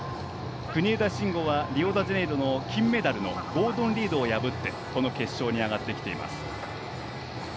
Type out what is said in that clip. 国枝慎吾はリオデジャネイロの金メダルのゴードン・リードを破ってこの決勝に上がってきています。